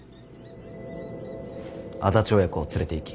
安達親子を連れていき